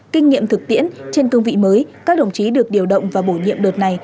kinh nghiệm thực tiễn trên cương vị mới các đồng chí được điều động và bổ nhiệm đợt này